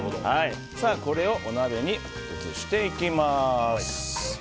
これをお鍋に移していきます。